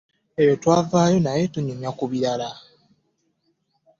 Eyo twavaayo ne tunyumya ku birala.